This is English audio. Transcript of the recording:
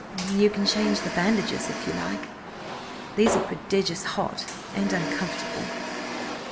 "You can change the bandages, if you like. These are prodigious hot and uncomfortable."